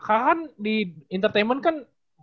kan di entertainment kan